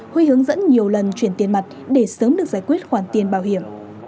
huy hướng dẫn nhiều lần chuyển tiền mặt để sớm được giải quyết khoản tiền bảo hiểm